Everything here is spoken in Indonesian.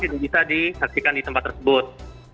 tidak bisa disaksikan di tempat tersebut